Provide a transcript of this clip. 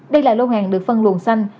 đây là lưu hàng được phân luồn xanh